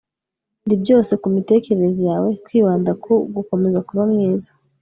ndi byose ku mitekerereze yawe, kwibanda ku, gukomeza kuba mwiza